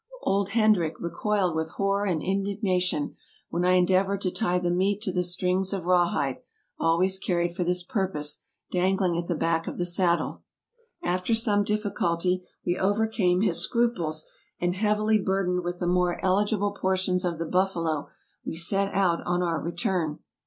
Old Hendrick recoiled with horror and indignation when I endeavored to tie the meat to the strings of rawhide, always carried for this purpose, dangling at the back of the saddle. After some difficulty we overcame his scruples, and heavily burdened with the more eligible portions of the buffalo we set out on our return.